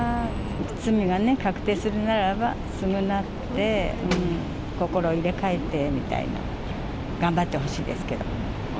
罪が確定するならば、償って、心を入れ替えてみたいな、頑張ってほしいですけど。